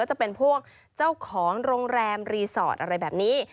จะเป็นพวกเจ้าของโรงแรมรีสอร์ทอะไรแบบนี้